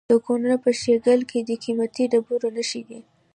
د کونړ په شیګل کې د قیمتي ډبرو نښې دي.